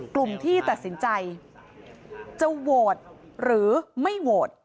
กลุ่มที่ตัดสินใจจะโหวตหรือไม่โหวต